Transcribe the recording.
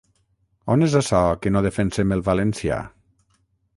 On és açò que no defensem el valencià?